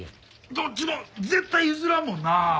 どっちも絶対譲らんもんな。